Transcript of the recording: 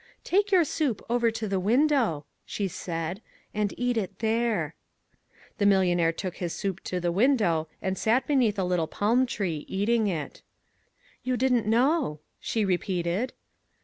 "Take your soup over to the window," she said, "and eat it there." The millionaire took his soup to the window and sat beneath a little palm tree, eating it. "You didn't know," she repeated.